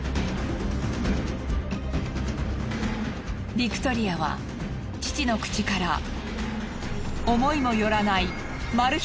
ビクトリアは父の口から思いもよらないマル秘